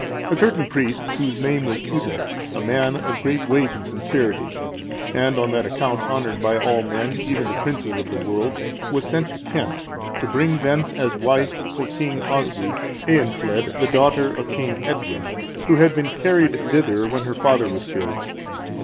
A certain priest, whose name was Utta,(365) a man of great weight and sincerity, and on that account honoured by all men, even the princes of the world, was sent to Kent, to bring thence, as wife for King Oswy, Eanfled,(366) the daughter of King Edwin, who had been carried thither when her father was killed.